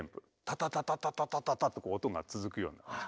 タタタタタタタタタと音が続くような感じ。